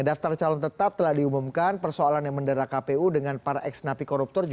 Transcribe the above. daftar calon tetap telah diumumkan persoalannya mendara kpu dengan para ex navi koruptor